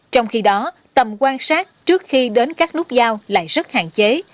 trong khi đó tầm quan sát trước khi đến các nút giao lại rất hạn chế